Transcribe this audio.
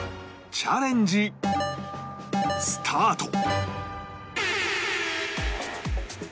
チャレンジスタート